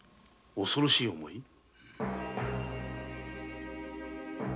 恐ろしい思い。